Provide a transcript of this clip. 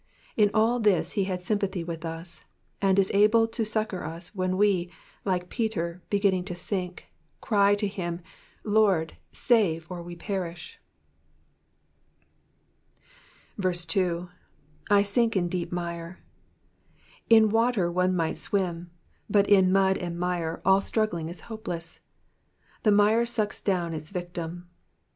In all this ho has sympathy with U3, and is able to succour us when we, like Peter, beginning to sink, cry to him, Lord, save, or we perish." 2. / sinJc in deep mire,'''* In water one might swim, but in mud and mire all struggling is hopeless ; the mire sucks down its victim.